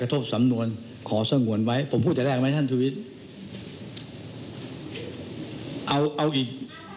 กระทบสำนวนขอส่งหวนไว้ผมพูดจากแรกไหมท่านศุวิษธรรม